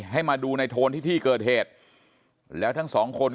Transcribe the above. ให้มาดูในโทนที่ที่เกิดเหตุแล้วทั้งสองคน